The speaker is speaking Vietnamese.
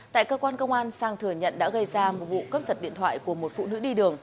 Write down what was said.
tại cơ quan công an sang thừa nhận đã gây ra một vụ cướp giật điện thoại của một phụ nữ đi đường